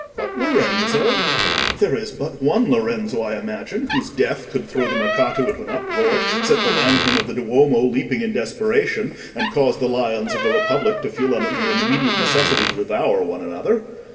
"What Lorenzo? There is but one Lorenzo, I imagine, whose death could throw the Mercato into an uproar, set the lantern of the Duomo leaping in desperation, and cause the lions of the Republic to feel under an immediate necessity to devour one another.